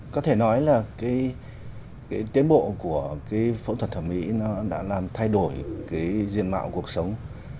có thể nói là tiến bộ của phẫu thuật thẩm mỹ đã làm thay đổi diện mạo cuộc sống